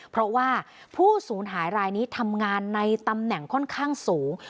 เพราะว่าผู้สูญหายรายนี้ทำงานในตำแหน่งค่อนข้างสูง